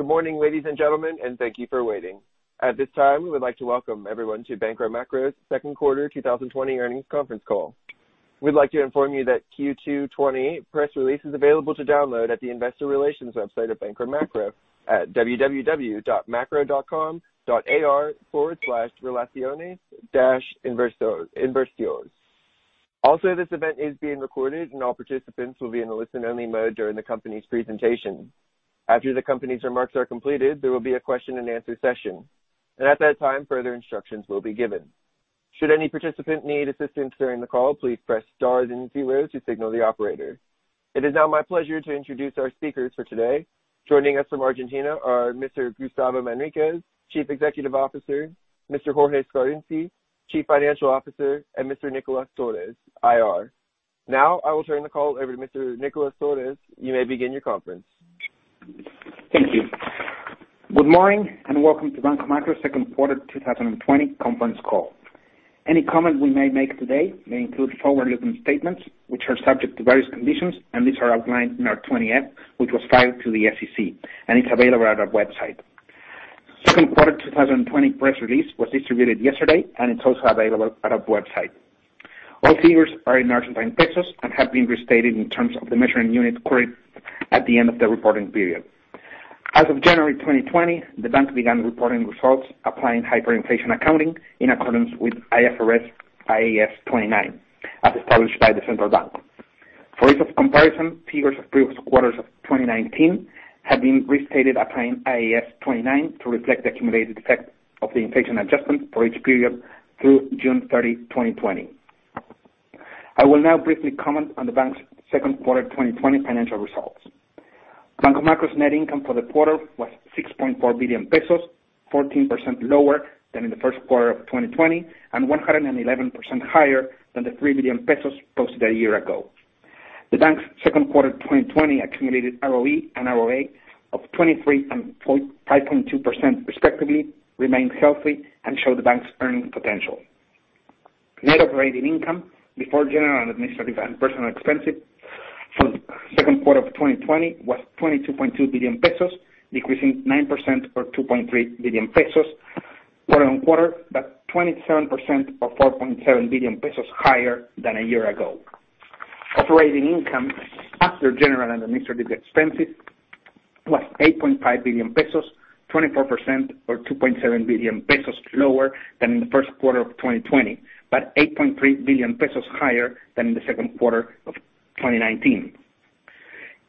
Good morning, ladies and gentlemen, and thank you for waiting. At this time, we would like to welcome everyone to Banco Macro's Second Quarter 2020 Earnings Conference Call. We'd like to inform you that Q2 '20 press release is available to download at the investor relations website of Banco Macro at www.macro.com.ar/relaciones-inversores. Also, this event is being recorded, and all participants will be in a listen-only mode during the company's presentation. After the company's remarks are completed, there will be a question and answer session. At that time, further instructions will be given. Should any participant need assistance during the call, please press star then zero to signal the operator. It is now my pleasure to introduce our speakers for today. Joining us from Argentina are Mr. Gustavo Manriquez, Chief Executive Officer, Mr. Jorge Scarinci, Chief Financial Officer, and Mr. Nicolás Torres, IR. Now I will turn the call over to Mr. Nicolás Torres. You may begin your conference. Thank you. Good morning. Welcome to Banco Macro's second quarter 2020 conference call. Any comment we may make today may include forward-looking statements, which are subject to various conditions, and these are outlined in our 20-F, which was filed to the SEC, and it's available at our website. Second quarter 2020 press release was distributed yesterday, and it's also available at our website. All figures are in Argentine pesos and have been restated in terms of the measuring unit queried at the end of the reporting period. As of January 2020, the bank began reporting results applying hyperinflation accounting in accordance with IFRS IAS 29, as established by the Central Bank. For ease of comparison, figures of previous quarters of 2019 have been restated applying IAS 29 to reflect the accumulated effect of the inflation adjustment for each period through June 30, 2020. I will now briefly comment on the bank's second quarter 2020 financial results. Banco Macro's net income for the quarter was 6.4 billion pesos, 14% lower than in the first quarter of 2020 and 111% higher than the 3 billion pesos posted a year ago. The bank's second quarter 2020 accumulated ROE and ROA of 23% and 5.2%, respectively, remain healthy and show the bank's earning potential. Net operating income before general and administrative and personal expenses for the second quarter of 2020 was 22.2 billion pesos, decreasing 9% or 2.3 billion pesos quarter-on-quarter, but 27% or 4.7 billion pesos higher than a year ago. Operating income after general and administrative expenses was 8.5 billion pesos, 24% or 2.7 billion pesos lower than in the first quarter of 2020, but 8.3 billion pesos higher than in the second quarter of 2019.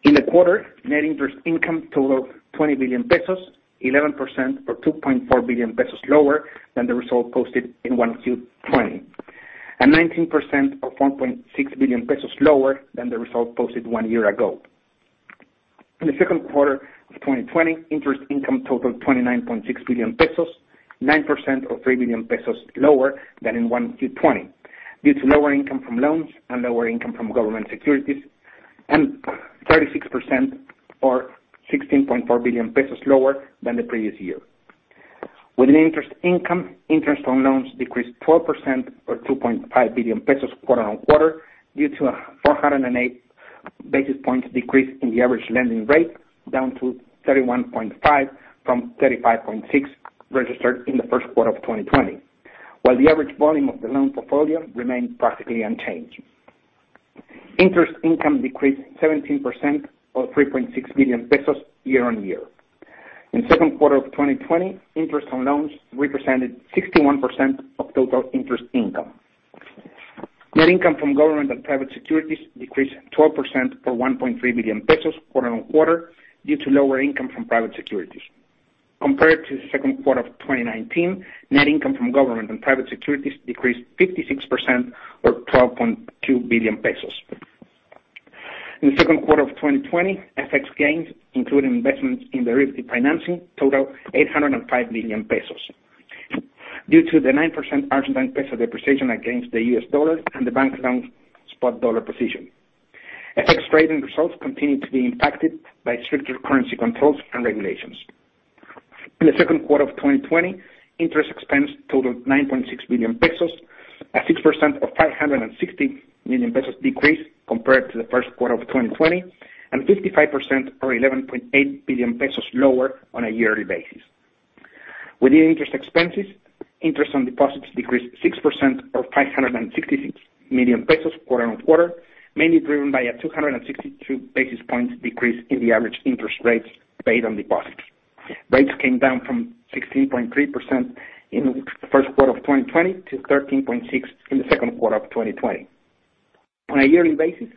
In the quarter, net interest income totaled 20 billion pesos, 11% or 2.4 billion pesos lower than the result posted in Q1 2020, and 19% or 1.6 billion pesos lower than the result posted one year ago. In the second quarter of 2020, interest income totaled 29.6 billion pesos, 9% or 3 billion pesos lower than in Q1 2020, due to lower income from loans and lower income from government securities, and 36% or 16.4 billion pesos lower than the previous year. Within interest income, interest on loans decreased 12% or 2.5 billion pesos quarter-on-quarter, due to a 408 basis points decrease in the average lending rate, down to 31.5 from 35.6 registered in the first quarter of 2020, while the average volume of the loan portfolio remained practically unchanged. Interest income decreased 17% or 3.6 billion pesos year-on-year. In the second quarter of 2020, interest on loans represented 61% of total interest income. Net income from government and private securities decreased 12% or 1.3 billion pesos quarter-on-quarter, due to lower income from private securities. Compared to the second quarter of 2019, net income from government and private securities decreased 56% or 12.2 billion pesos. In the second quarter of 2020, FX gains, including investments in derivative financing, totaled 805 million pesos due to the 9% Argentine peso depreciation against the US dollar and the bank's long spot dollar position. FX trading results continue to be impacted by stricter currency controls and regulations. In the second quarter of 2020, interest expense totaled 9.6 billion pesos, a 6% or 560 million pesos decrease compared to the first quarter of 2020, and 55% or 11.8 billion pesos lower on a yearly basis. Within interest expenses, interest on deposits decreased 6% or 566 million pesos quarter on quarter, mainly driven by a 262 basis points decrease in the average interest rates paid on deposits. Rates came down from 16.3% in the first quarter of 2020 to 13.6 in the second quarter of 2020. On a yearly basis,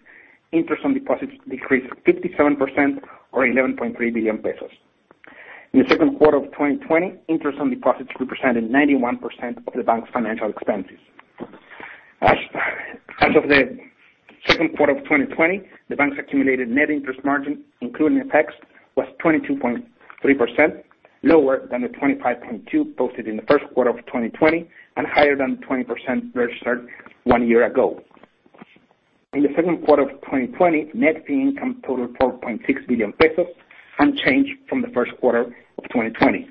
interest on deposits decreased 57% or 11.3 billion pesos. In the second quarter of 2020, interest on deposits represented 91% of the bank's financial expenses. As of the second quarter of 2020, the bank's accumulated net interest margin, including FX, was 22.3%, lower than the 25.2% posted in the first quarter of 2020 and higher than the 20% registered one year ago. In the second quarter of 2020, net fee income totaled 4.6 billion pesos, unchanged from the first quarter of 2020.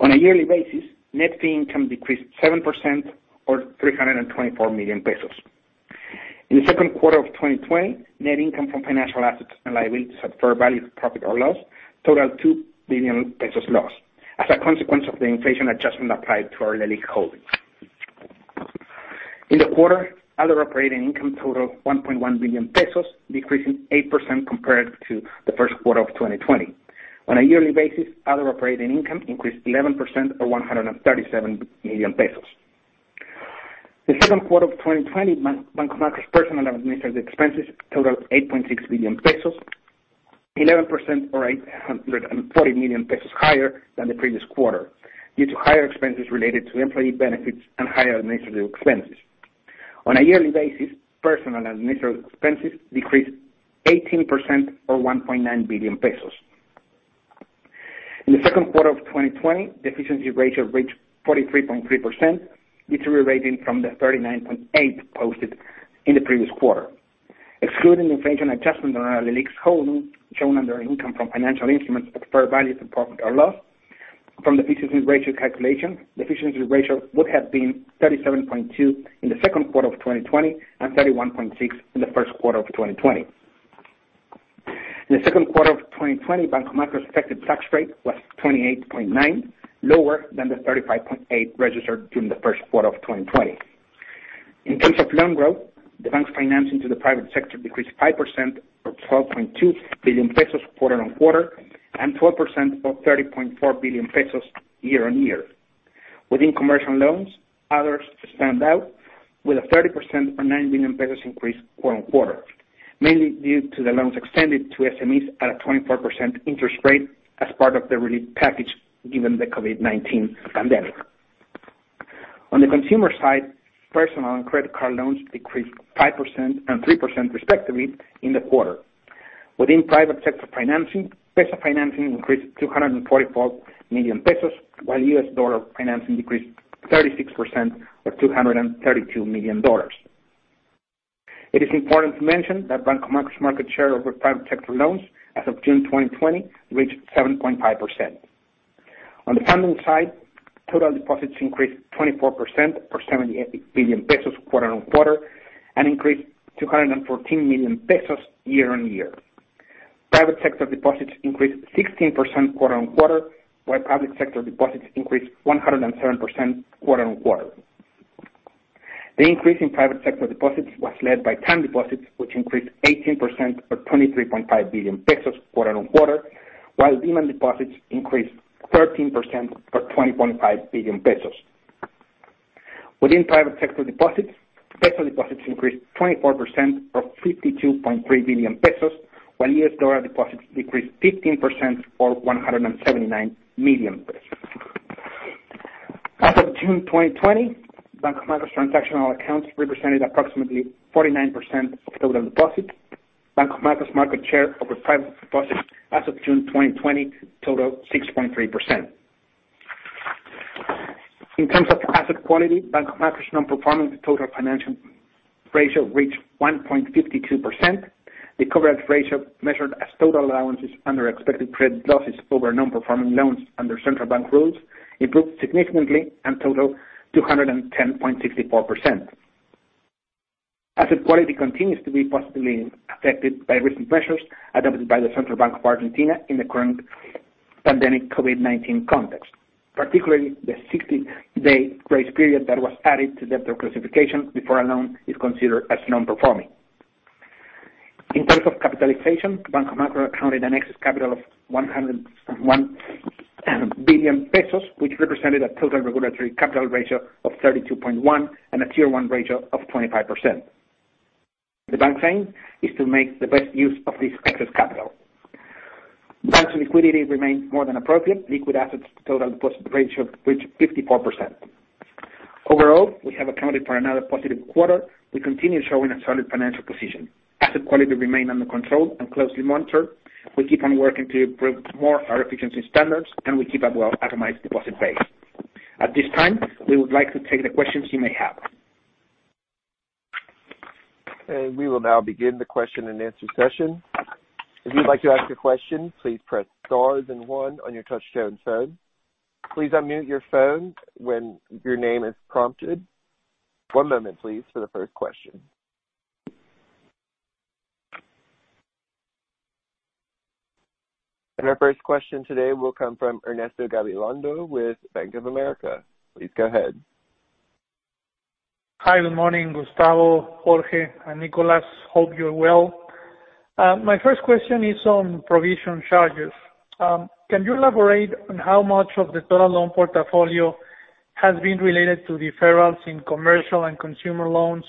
On a yearly basis, net fee income decreased 7% or 324 million pesos. In the second quarter of 2020, net income from financial assets and liabilities at fair value of profit or loss totaled 2 billion pesos loss, as a consequence of the inflation adjustment applied to our leasing holdings. In the quarter, other operating income totaled 1.1 billion pesos, decreasing 8% compared to the first quarter of 2020. On a yearly basis, other operating income increased 11%, or 137 million pesos. The second quarter of 2020, Banco Macro's personal administrative expenses totaled 8.6 billion pesos, 11%, or 840 million pesos higher than the previous quarter, due to higher expenses related to employee benefits and higher administrative expenses. On a yearly basis, personal administrative expenses decreased 18%, or 1.9 billion pesos. In the second quarter of 2020, the efficiency ratio reached 43.3%, deteriorating from the 39.8% posted in the previous quarter. Excluding inflation adjustment on our lease holding shown under income from financial instruments at fair values of profit or loss from the efficiency ratio calculation, the efficiency ratio would have been 37.2% in the second quarter of 2020 and 31.6% in the first quarter of 2020. In the second quarter of 2020, Banco Macro's effective tax rate was 28.9%, lower than the 35.8% registered during the first quarter of 2020. In terms of loan growth, the bank's financing to the private sector decreased 5%, or 12.2 billion pesos quarter-on-quarter, and 12%, or 30.4 billion pesos year-on-year. Within commercial loans, others stand out with a 30%, or 9 billion pesos increase quarter on quarter, mainly due to the loans extended to SMEs at a 24% interest rate as part of the relief package given the COVID-19 pandemic. On the consumer side, personal and credit card loans decreased 5% and 3% respectively in the quarter. Within private sector financing, peso financing increased 244 million pesos, while US dollar financing decreased 36%, or $232 million. It is important to mention that Banco Macro's market share over private sector loans as of June 2020 reached 7.5%. On the funding side, total deposits increased 24%, or 78 billion pesos quarter-on-quarter, and increased 214 million pesos year-on-year. Private sector deposits increased 16% quarter-on-quarter, while public sector deposits increased 107% quarter-on-quarter. The increase in private sector deposits was led by term deposits, which increased 18%, or 23.5 billion pesos quarter-on-quarter, while demand deposits increased 13%, or 20.5 billion pesos. Within private sector deposits, peso deposits increased 24%, or 52.3 billion pesos, while US dollar deposits decreased 15%, or $179 million. As of June 2020, Banco Macro's transactional accounts represented approximately 49% of total deposits. Banco Macro's market share over private deposits as of June 2020 total 6.3%. In terms of asset quality, Banco Macro's non-performing total financial ratio reached 1.52%. The coverage ratio, measured as total allowances under expected credit losses over non-performing loans under Central Bank rules, improved significantly and total 210.64%. Asset quality continues to be positively affected by recent measures adopted by the Central Bank of Argentina in the current pandemic COVID-19 context, particularly the 60-day grace period that was added to debtor classification before a loan is considered as non-performing. In terms of capitalization, Banco Macro accounted an excess capital of 101 billion pesos, which represented a total regulatory capital ratio of 32.1% and a Tier 1 ratio of 25%. The bank's aim is to make the best use of this excess capital. Bank's liquidity remains more than appropriate. Liquid assets total deposit ratio reached 54%. Overall, we have accounted for another positive quarter. We continue showing a solid financial position. Asset quality remain under control and closely monitored. We keep on working to improve more our efficiency standards, and we keep a well-atomized deposit base. At this time, we would like to take the questions you may have. We will now begin the question-and-answer session. If you'd like to ask a question, please press star then one on your touch-tone phone. Please unmute your phone when your name is prompted. One moment please for the first question. Our first question today will come from Ernesto Gabilondo with Bank of America. Please go ahead. Hi. Good morning, Gustavo, Jorge, and Nicolás. Hope you're well. My first question is on provision charges. Can you elaborate on how much of the total loan portfolio has been related to deferrals in commercial and consumer loans,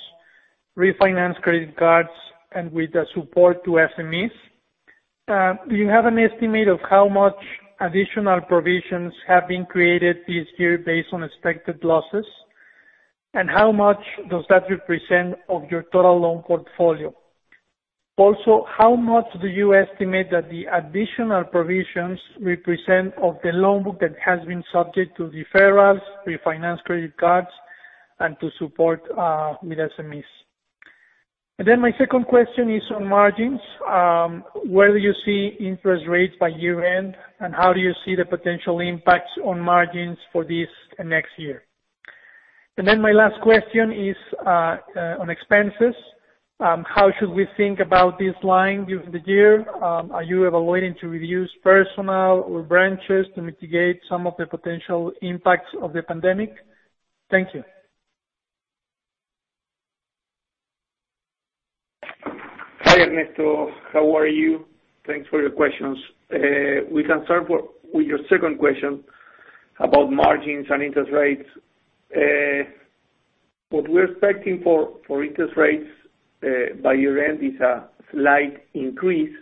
refinanced credit cards, and with the support to SMEs? Do you have an estimate of how much additional provisions have been created this year based on expected losses? How much does that represent of your total loan portfolio? How much do you estimate that the additional provisions represent of the loan book that has been subject to deferrals, refinanced credit cards, and to support with SMEs? My second question is on margins. Where do you see interest rates by year-end, and how do you see the potential impacts on margins for this and next year? My last question is on expenses. How should we think about this line during the year? Are you evaluating to reduce personnel or branches to mitigate some of the potential impacts of the pandemic? Thank you. Hi, Ernesto. How are you? Thanks for your questions. We can start with your second question about margins and interest rates. What we're expecting for interest rates by year-end is a slight increase,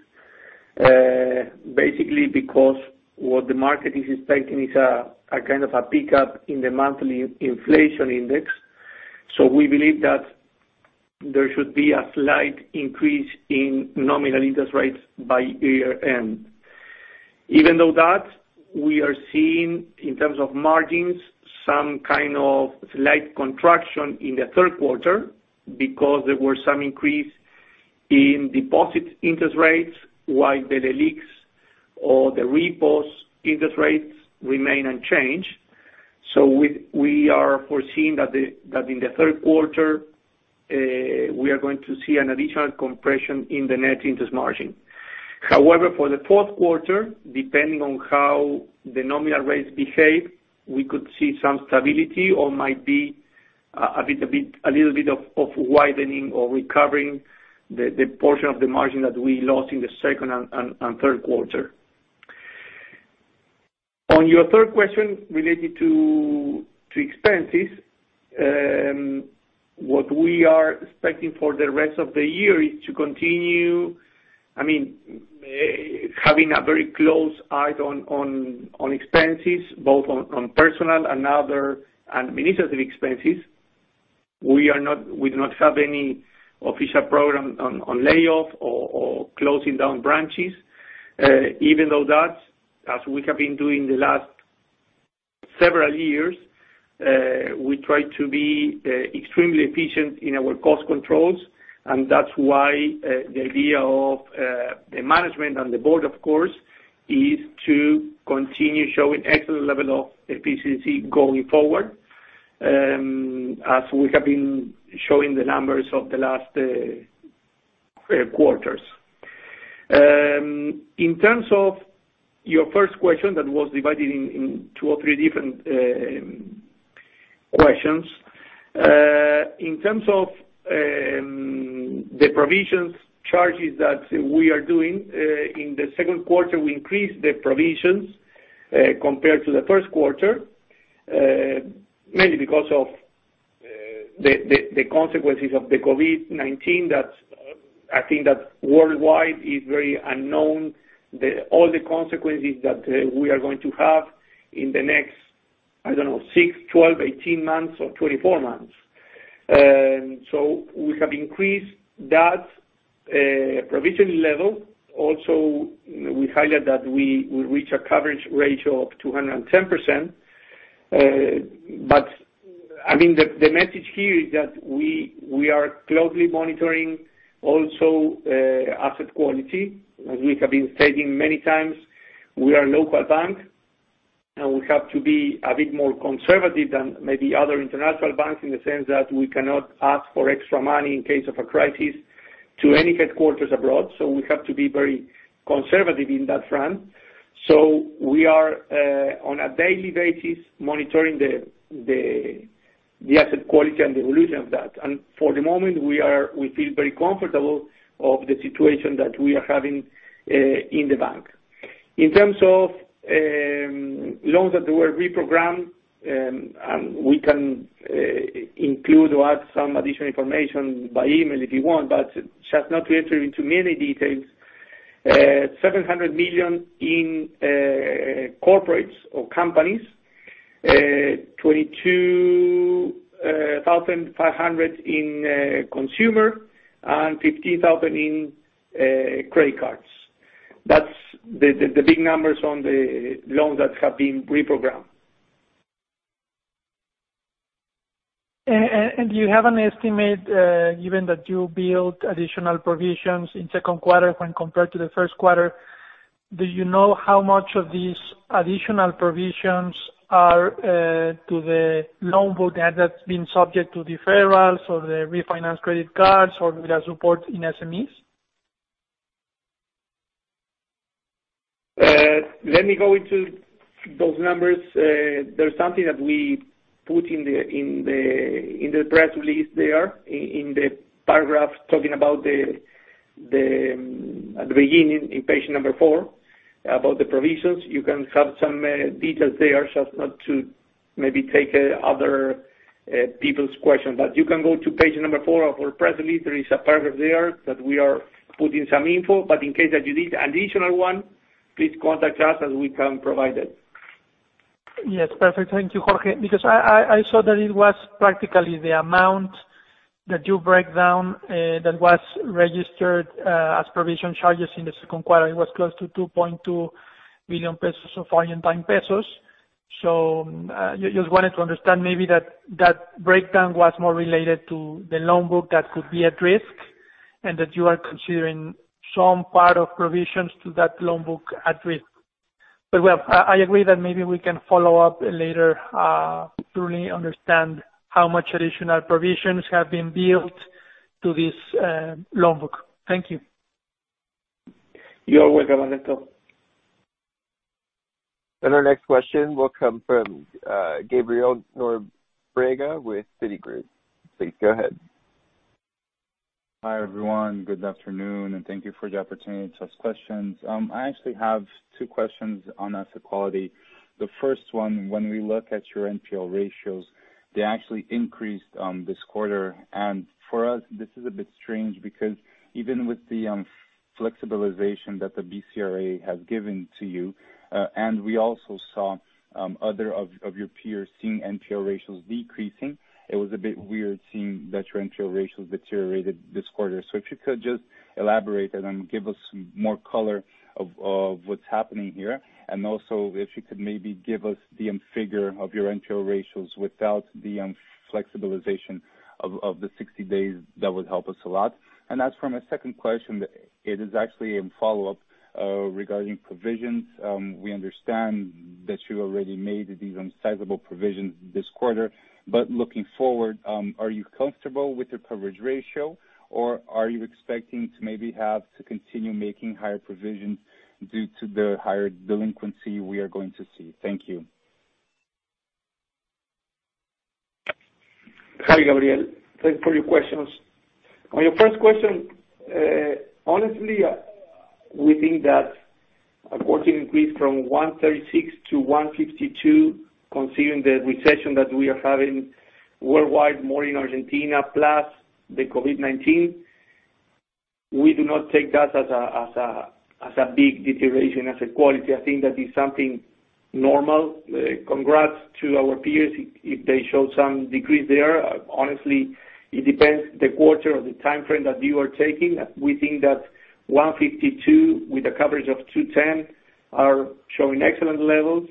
basically because what the market is expecting is a kind of pickup in the monthly inflation index. We believe that there should be a slight increase in nominal interest rates by year-end. Even though that, we are seeing, in terms of margins, some kind of slight contraction in the third quarter because there were some increase in deposit interest rates while the Leliqs or the repos interest rates remain unchanged. We are foreseeing that in the third quarter, we are going to see an additional compression in the net interest margin. However, for the fourth quarter, depending on how the nominal rates behave, we could see some stability or might be a little bit of widening or recovering the portion of the margin that we lost in the second and third quarter. On your third question related to expenses, what we are expecting for the rest of the year is to continue having a very close eye on expenses, both on personal and other administrative expenses. We do not have any official program on layoff or closing down branches. Even though that, as we have been doing the last several years, we try to be extremely efficient in our cost controls, and that's why the idea of the management and the board, of course, is to continue showing excellent level of efficiency going forward, as we have been showing the numbers of the last quarters. In terms of your first question, that was divided in two or three different questions. In terms of the provisions charges that we are doing, in the second quarter, we increased the provisions, compared to the first quarter, mainly because of the consequences of the COVID-19, that I think that worldwide is very unknown. All the consequences that we are going to have in the next, I don't know, six, 12, 18 months or 24 months. We have increased that provision level. Also, we highlighted that we will reach a coverage ratio of 210%. The message here is that we are closely monitoring also asset quality. As we have been stating many times, we are a local bank, and we have to be a bit more conservative than maybe other international banks in the sense that we cannot ask for extra money in case of a crisis to any headquarters abroad. We have to be very conservative in that front. We are, on a daily basis, monitoring the asset quality and the evolution of that. For the moment, we feel very comfortable of the situation that we are having in the bank. In terms of loans that were reprogrammed, and we can include or add some additional information by email if you want, but just not to enter into many details, 700 million in corporates or companies, 22,500 in consumer, and 15,000 in credit cards. That's the big numbers on the loans that have been reprogrammed. Do you have an estimate, given that you build additional provisions in second quarter when compared to the first quarter, do you know how much of these additional provisions are to the loan book that's been subject to deferrals or the refinance credit cards, or the support in SMEs? Let me go into those numbers. There's something that we put in the press release there, in the paragraph talking about at the beginning in page number four, about the provisions. You can have some details there, just not to maybe take other people's questions. You can go to page number four of our press release. There is a paragraph there that we are putting some info. In case that you need additional one, please contact us as we can provide it. Yes, perfect. Thank you, Jorge. I saw that it was practically the amount that you break down that was registered as provision charges in the second quarter. It was close to 2.2 billion pesos, so for ARS 9. Just wanted to understand maybe that breakdown was more related to the loan book that could be at risk, and that you are considering some part of provisions to that loan book at risk. Well, I agree that maybe we can follow up later to really understand how much additional provisions have been built to this loan book. Thank you. You are welcome, Ernesto. Our next question will come from Gabriel Noriega with Citigroup. Please go ahead. Hi, everyone. Good afternoon, thank you for the opportunity to ask questions. I actually have two questions on asset quality. The first one, when we look at your NPL ratios, they actually increased this quarter. For us, this is a bit strange because even with the flexibilization that the BCRA has given to you, we also saw other of your peers seeing NPL ratios decreasing, it was a bit weird seeing that your NPL ratios deteriorated this quarter. If you could just elaborate and give us more color of what's happening here. Also, if you could maybe give us the figure of your NPL ratios without the flexibilization of the 60 days, that would help us a lot. As for my second question, it is actually a follow-up regarding provisions. We understand that you already made these sizable provisions this quarter. Looking forward, are you comfortable with the coverage ratio, or are you expecting to maybe have to continue making higher provisions due to the higher delinquency we are going to see? Thank you. Hi, Gabriel. Thanks for your questions. On your first question, honestly, we think that a quarter increase from 136 to 152, considering the recession that we are having worldwide, more in Argentina, plus the COVID-19, we do not take that as a big deterioration asset quality. I think that is something normal. Congrats to our peers if they show some decrease there. Honestly, it depends the quarter or the timeframe that you are taking. We think that 152 with a coverage of 210 are showing excellent levels.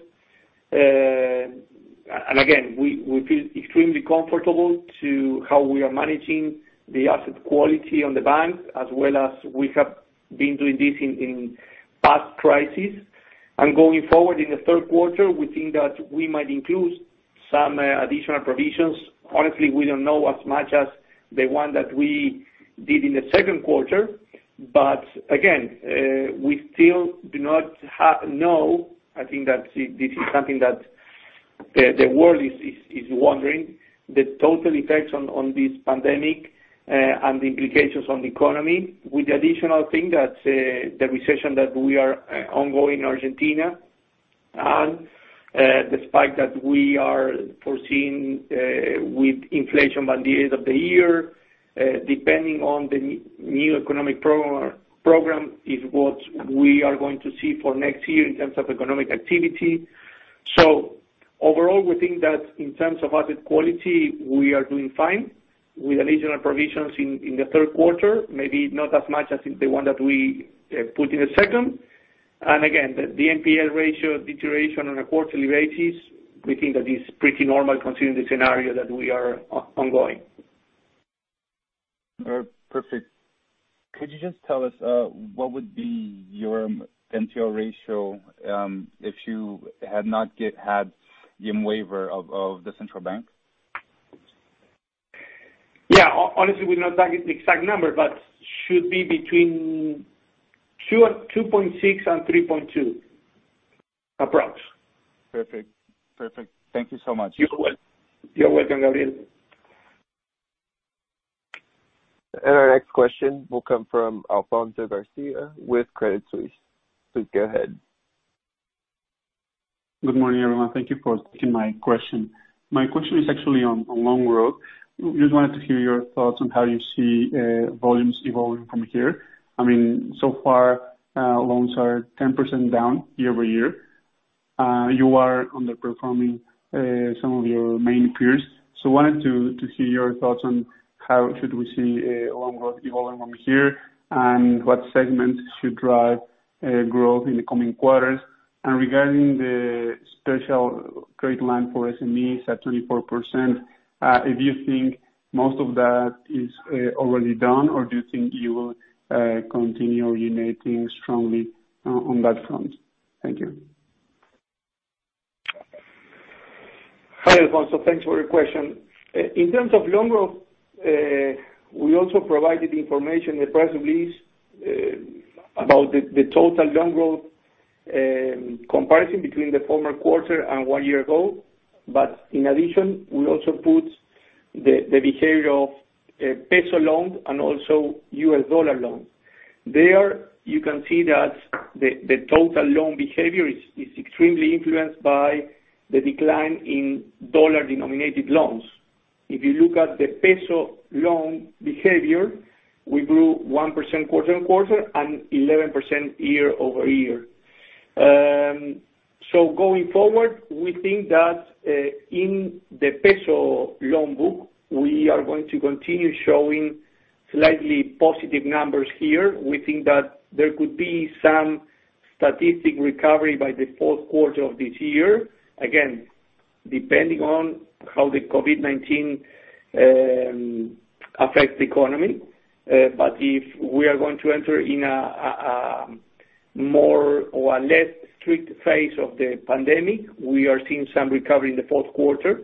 Again, we feel extremely comfortable to how we are managing the asset quality on the bank as well as we have been doing this in past crises. Going forward in the third quarter, we think that we might include some additional provisions. Honestly, we don't know as much as the one that we did in the second quarter. Again, we still do not know. I think that this is something that the world is wondering, the total effects on this pandemic, and the implications on the economy. With the additional thing that the recession that we are ongoing in Argentina, and the spike that we are foreseeing with inflation by the end of the year, depending on the new economic program, is what we are going to see for next year in terms of economic activity. Overall, we think that in terms of asset quality, we are doing fine with additional provisions in the third quarter, maybe not as much as the one that we put in the second. Again, the NPL ratio deterioration on a quarterly basis, we think that is pretty normal considering the scenario that we are ongoing. Perfect. Could you just tell us what would be your NPL ratio if you had not yet had the waiver of the Central Bank? Yeah. Honestly, we know the exact number, but should be between 2.6 and 3.2 approx. Perfect. Thank you so much. You're welcome, Gabriel. Our next question will come from Alonso Garcia with Credit Suisse. Please go ahead. Good morning, everyone. Thank you for taking my question. My question is actually on loan growth. Just wanted to hear your thoughts on how you see volumes evolving from here. So far, loans are 10% down year-over-year. You are underperforming some of your main peers. I wanted to see your thoughts on how should we see loan growth evolving from here, and what segments should drive growth in the coming quarters. Regarding the special credit line for SMEs at 24%, if you think most of that is already done, or do you think you will continue lending strongly on that front? Thank you. Hi, Alonso. Thanks for your question. In terms of loan growth, we also provided information in the press release about the total loan growth comparison between the former quarter and one year ago. In addition, we also put the behavior of peso loans and also U.S. dollar loans. There, you can see that the total loan behavior is extremely influenced by the decline in dollar-denominated loans. If you look at the peso loan behavior, we grew 1% quarter-on-quarter and 11% year-over-year. Going forward, we think that in the peso loan book, we are going to continue showing slightly positive numbers here. We think that there could be some statistic recovery by the fourth quarter of this year. Depending on how the COVID-19 affects the economy, but if we are going to enter in a more or a less strict phase of the pandemic, we are seeing some recovery in the fourth quarter.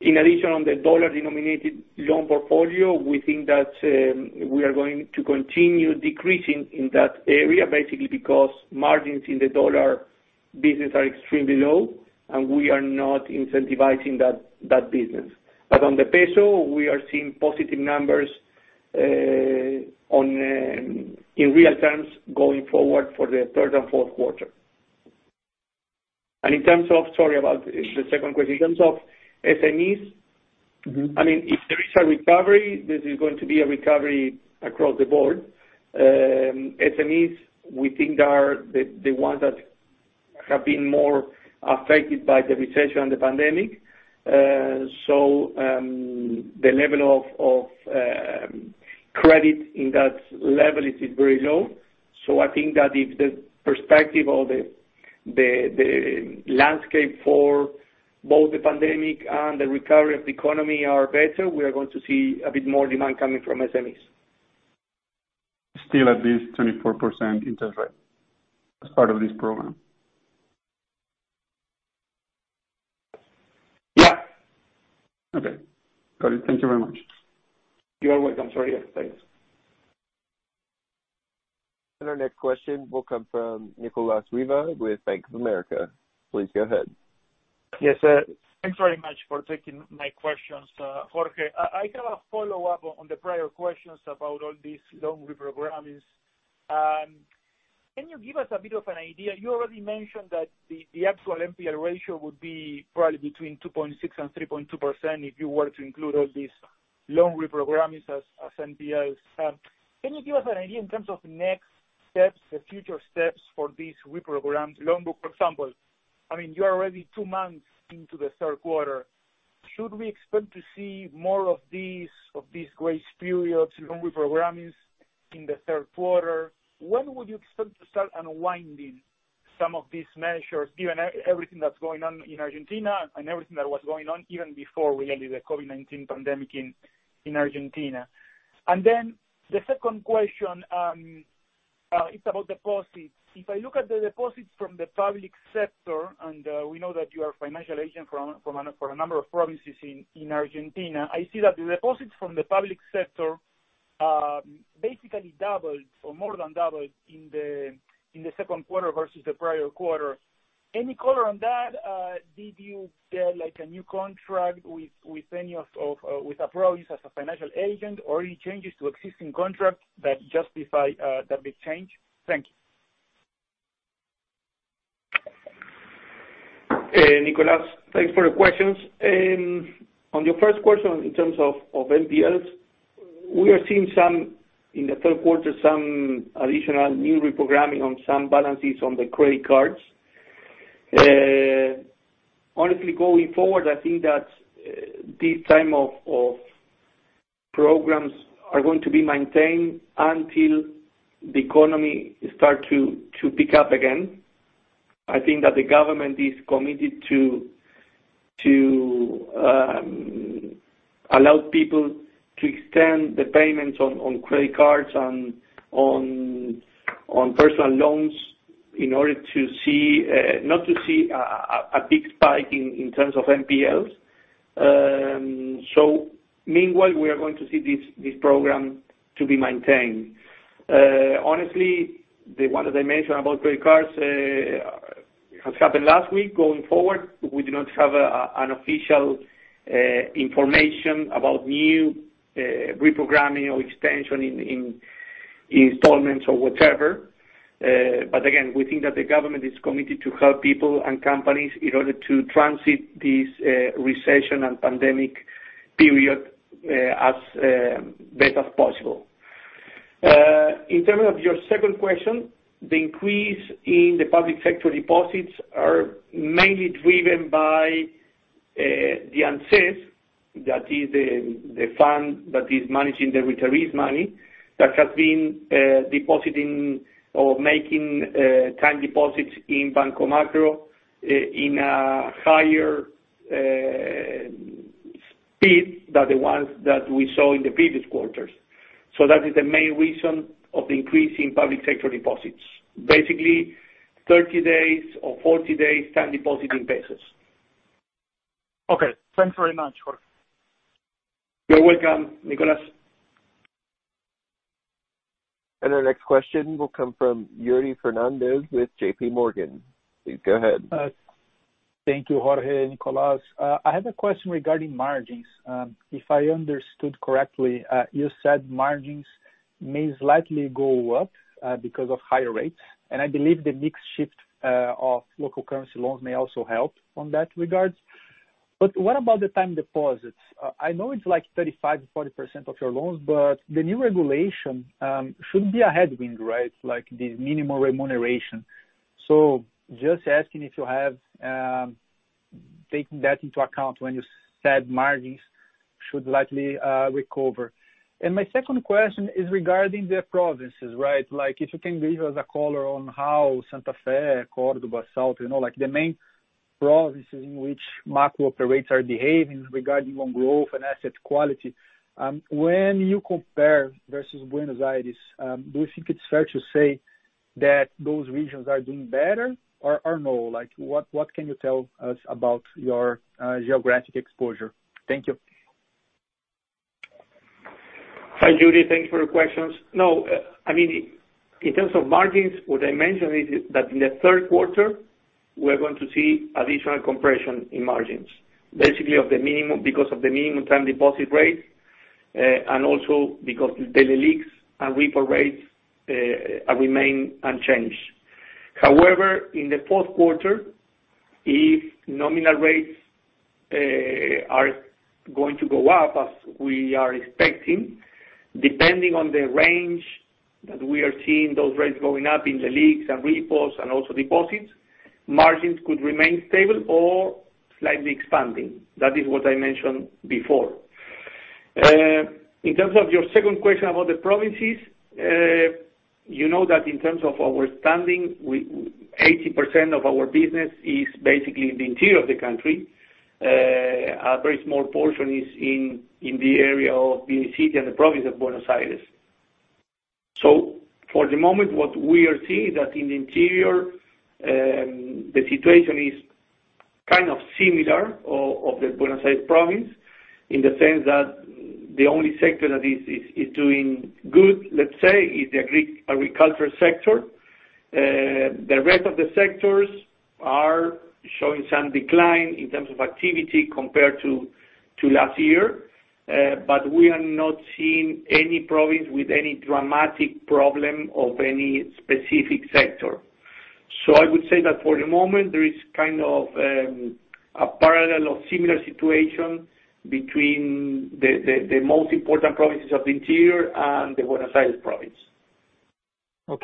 In addition, on the dollar-denominated loan portfolio, we think that we are going to continue decreasing in that area, basically because margins in the dollar business are extremely low, and we are not incentivizing that business. But on the peso, we are seeing positive numbers in real terms going forward for the third and fourth quarter. In terms of, sorry, about the second question, in terms of SMEs. I mean, if there is a recovery, this is going to be a recovery across the board. SMEs, we think, are the ones that have been more affected by the recession and the pandemic. The level of credit in that level is very low. I think that if the perspective or the landscape for both the pandemic and the recovery of the economy are better, we are going to see a bit more demand coming from SMEs. Still at this 24% interest rate as part of this program? Yeah. Okay. Got it. Thank you very much. You are welcome, Alonso. Thanks. Our next question will come from Nicolas Riva with Bank of America. Please go ahead. Yes, sir. Thanks very much for taking my questions, Jorge. I have a follow-up on the prior questions about all these loan reprogrammings. Can you give us a bit of an idea? You already mentioned that the actual NPL ratio would be probably between 2.6% and 3.2% if you were to include all these loan reprogrammingsas NPLs. Can you give us an idea in terms of next steps, the future steps for these reprogrammed loan book? For example, you are already two months into the third quarter. Should we expect to see more of these grace periods, loan reprogrammings, in the third quarter? When would you expect to start unwinding some of these measures, given everything that's going on in Argentina and everything that was going on even before related to the COVID-19 pandemic in Argentina? The second question, it's about deposits. If I look at the deposits from the public sector, and we know that you are a financial agent for a number of provinces in Argentina, I see that the deposits from the public sector basically doubled or more than doubled in the second quarter versus the prior quarter. Any color on that? Did you get a new contract with a province as a financial agent, or any changes to existing contracts that justify that big change? Thank you. Nicolas, thanks for your questions. On your first question in terms of NPLs, we are seeing, in the third quarter, some additional new reprogramming on some balances on the credit cards. Honestly, going forward, I think that this time of programs are going to be maintained until the economy starts to pick up again. I think that the government is committed to allow people to extend the payments on credit cards, on personal loans in order not to see a big spike in terms of NPLs. Meanwhile, we are going to see this program to be maintained. Honestly, the one that I mentioned about credit cards, has happened last week. Going forward, we do not have official information about new reprogramming or extension in installments or whatever. Again, we think that the government is committed to help people and companies in order to transit this recession and pandemic period as best as possible. In terms of your second question, the increase in the public sector deposits are mainly driven by the ANSES, that is the fund that is managing the retirees' money, that has been depositing or making time deposits in Banco Macro in a higher speed than the ones that we saw in the previous quarters. That is the main reason of the increase in public sector deposits. Basically, 30 days or 40 days time deposit in pesos. Okay. Thanks very much, Jorge. You're welcome, Nicolás. Our next question will come from Yuri Fernandes with JPMorgan. Please go ahead. Thank you, Jorge, Nicolás. I have a question regarding margins. If I understood correctly, you said margins may slightly go up because of higher rates, and I believe the mix shift of local currency loans may also help on that regards. What about the time deposits? I know it's like 35%-40% of your loans, but the new regulation should be a headwind, right? Like the minimum remuneration. Just asking if you have taken that into account when you said margins should likely recover. My second question is regarding the provinces. If you can give us a color on how Santa Fe, Córdoba, Salta, the main provinces in which Macro operates are behaving regarding on growth and asset quality. When you compare versus Buenos Aires, do you think it's fair to say that those regions are doing better or no? What can you tell us about your geographic exposure? Thank you. Hi, Yuri. Thanks for your questions. In terms of margins, what I mentioned is that in the third quarter, we're going to see additional compression in margins, basically because of the minimum time deposit rate, and also because the Leliqs and repo rates remain unchanged. In the fourth quarter, if nominal rates are going to go up as we are expecting, depending on the range that we are seeing those rates going up in the Leliqs and repos and also deposits, margins could remain stable or slightly expanding. That is what I mentioned before. In terms of your second question about the provinces, you know that in terms of our standing, 80% of our business is basically the interior of the country. A very small portion is in the area of the city and the province of Buenos Aires. For the moment, what we are seeing is that in the interior, the situation is kind of similar of the Buenos Aires province, in the sense that the only sector that is doing good, let's say, is the agriculture sector. The rest of the sectors are showing some decline in terms of activity compared to last year. We are not seeing any province with any dramatic problem of any specific sector. I would say that for the moment, there is kind of a parallel or similar situation between the most important provinces of the interior and the Buenos Aires province. No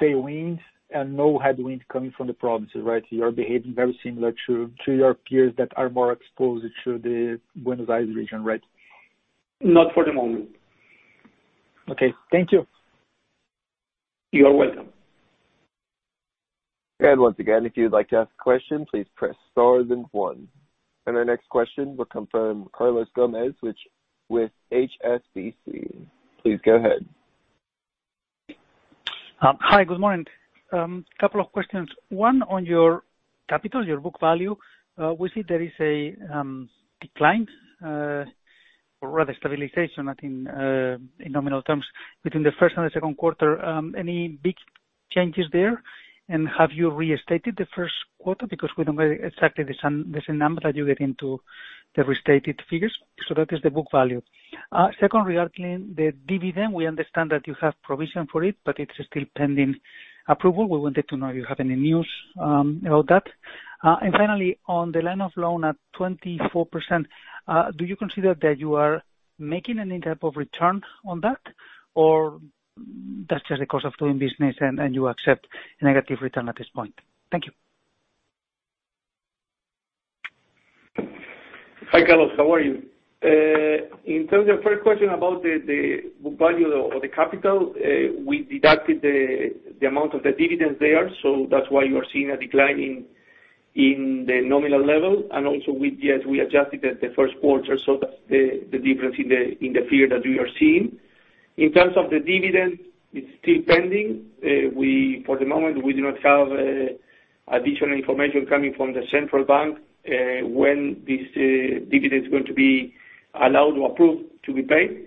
tailwind and no headwind coming from the provinces, right? You are behaving very similar to your peers that are more exposed to the Buenos Aires region, right? Not for the moment. Okay. Thank you. You are welcome. Once again, if you'd like to ask a question, please press star then one. Our next question will come from Carlos Gomez with HSBC. Please go ahead. Hi, good morning. Couple of questions. One on your capital, your book value. We see there is a decline or rather stabilization, I think, in nominal terms between the first and the second quarter. Any big changes there? Have you restated the first quarter? Because we don't know exactly there's a number that you get into the restated figures. That is the book value. Secondly, regarding the dividend, we understand that you have provision for it, but it's still pending approval. We wanted to know if you have any news about that. Finally, on the line of loan at 24%, do you consider that you are making any type of return on that or that's just the cost of doing business and you accept negative return at this point? Thank you. Hi, Carlos. How are you? In terms of first question about the book value of the capital, we deducted the amount of the dividends there. That's why you are seeing a decline in the nominal level and also we adjusted at the first quarter, so that's the difference in the figure that you are seeing. In terms of the dividend, it's still pending. For the moment, we do not have additional information coming from the Central Bank when this dividend is going to be allowed or approved to be paid.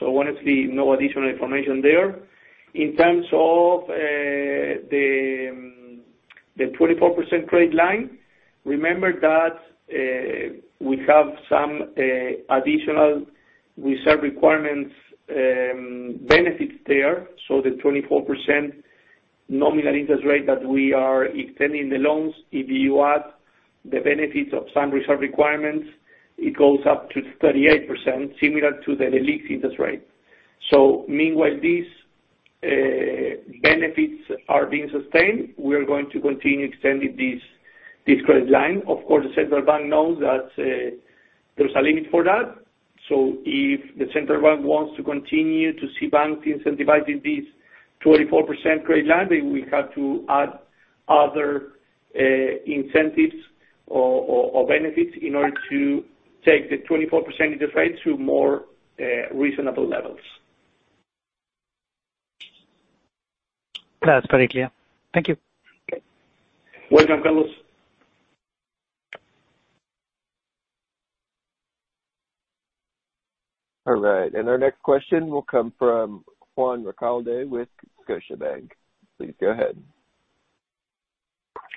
Honestly, no additional information there. In terms of the 24% credit line, remember that we have some additional reserve requirements benefits there. The 24% nominal interest rate that we are extending the loans, if you add the benefits of some reserve requirements, it goes up to 38%, similar to the lease interest rate. Meanwhile, these benefits are being sustained, we are going to continue extending this credit line. Of course, the Central Bank knows that there's a limit for that. If the Central Bank wants to continue to see banks incentivizing this 24% credit line, they will have to add other incentives or benefits in order to take the 24% interest rate to more reasonable levels. That's very clear. Thank you. Okay. Welcome, Carlos. All right, our next question will come from Juan Ricalde with Scotiabank. Please go ahead.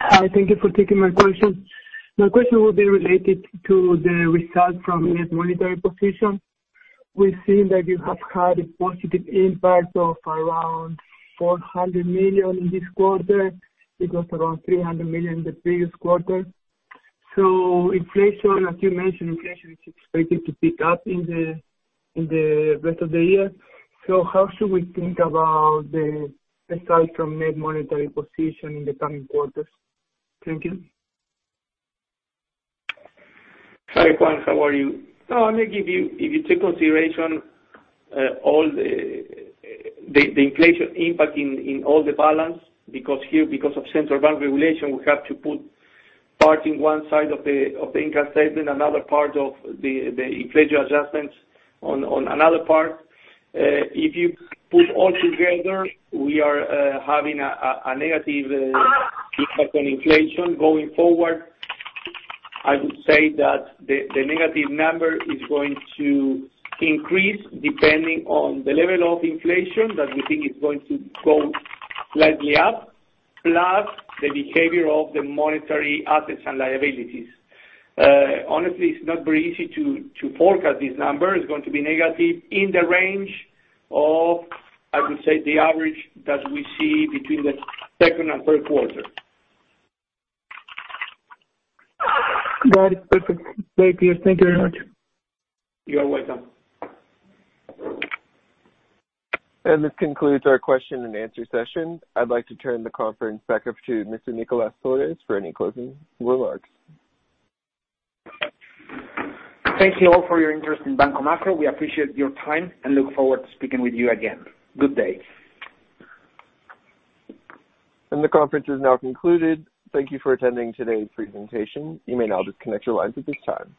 Hi. Thank you for taking my question. My question will be related to the result from net monetary position. We've seen that you have had a positive impact of around 400 million in this quarter. It was around 300 million in the previous quarter. Inflation, as you mentioned, inflation is expected to pick up in the rest of the year. How should we think about the result from net monetary position in the coming quarters? Thank you. Hi, Juan. How are you? Let me give you, if you take consideration the inflation impact in all the balance, because of Central Bank regulation, we have to put part in one side of the income statement, another part of the inflation adjustments on another part. If you put all together, we are having a negative impact on inflation going forward. I would say that the negative number is going to increase depending on the level of inflation that we think is going to go slightly up, plus the behavior of the monetary assets and liabilities. Honestly, it's not very easy to forecast this number. It's going to be negative in the range of, I would say, the average that we see between the second and third quarter. Got it. Perfect. Very clear. Thank you very much. You are welcome. This concludes our question and answer session. I'd like to turn the conference back up to Mr. Nicolás Torres for any closing remarks. Thank you all for your interest in Banco Macro. We appreciate your time and look forward to speaking with you again. Good day. The conference is now concluded. Thank you for attending today's presentation. You may now disconnect your lines at this time.